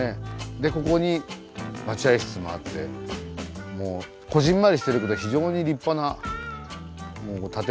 でここに待合室もあってもうこぢんまりしてるけど非常に立派な建物が残ってる。